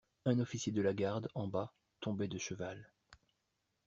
Un officier de la garde, en bas, tombait de cheval.